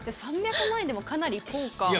３００万円でもかなり高価。